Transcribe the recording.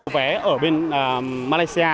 vé ở bên malaysia